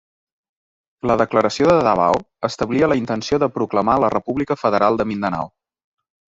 La declaració de Davao establia la intenció de proclamar la República Federal de Mindanao.